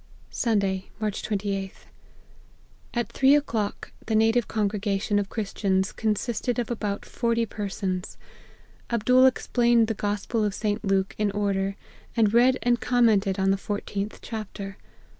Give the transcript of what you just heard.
" Sunday, March 28th. At three o'clock, the native congregation of Christians consisted of about forty persons. Abdool explained the Gospel of St. Luke in order, and read and commented on the fourteenth chapter.